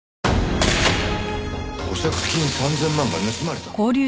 保釈金３０００万が盗まれた？